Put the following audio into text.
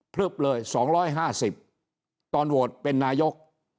พลึบเลยสองร้อยห้าสิบตอนโหวตเป็นนายก